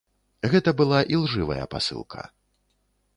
Гэта была ілжывая пасылка.